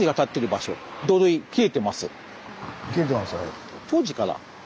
切れてますよ。